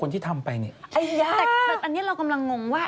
แต่แบบอันนี้เรากำลังงงว่า